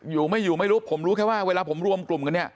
อยู่ไม่อยู่ไม่รู้ผมรู้แค่ว่าเวลาผมรวมกลุ่มกันเนี่ย